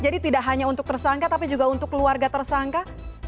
jadi tidak hanya untuk tersangka tapi juga untuk keluarga tersangka